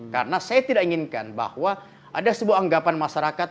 karena saya tidak inginkan bahwa ada sebuah anggapan masyarakat